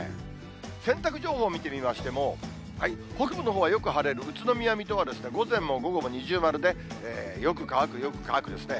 洗濯情報見てみましても、北部のほうはよく晴れる、宇都宮、水戸は午前も午後も二重丸で、よく乾く、よく乾くですね。